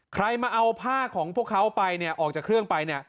ใครมาเอาผ้าของพวกเขาไปเนี่ยออกจากเครื่องไปเนี่ย